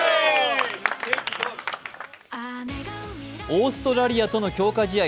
オーストラリアとの強化試合